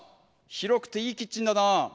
広くていいキッチンだな。